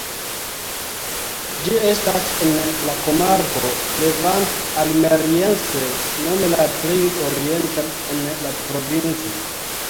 Ĝi estas en la komarko "Levante Almeriense" nome la plej orienta en la provinco.